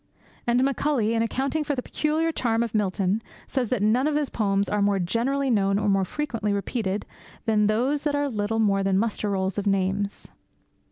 And Macaulay, in accounting for the peculiar charm of Milton, says that none of his poems are more generally known or more frequently repeated than those that are little more than muster rolls of names.